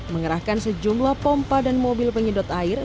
mengerahkan sejumlah pompa dan mobil penyedot air